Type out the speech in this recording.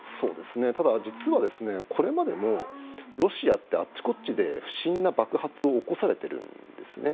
ただ、実はこれまでもロシアってあちこちで不審な爆発を起こされてるんですね。